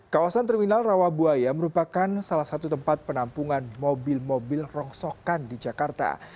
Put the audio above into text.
kawasan terminal rawabuaya merupakan salah satu tempat penampungan mobil mobil rongsokan di jakarta